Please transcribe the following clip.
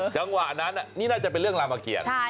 จังหวะนั้นนี่น่าจะเป็นเรื่องรามเกียรติ